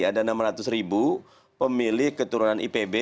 ada enam ratus ribu pemilih keturunan ipb